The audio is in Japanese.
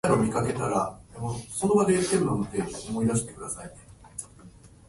すしだでタイピングする。